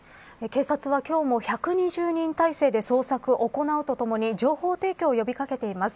警察は今日も１２０人態勢で捜索を行うとともに情報提供を呼び掛けています。